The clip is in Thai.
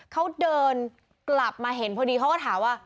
เขาเดินกลับมาเห็นพอดีเขาก็ถามว่า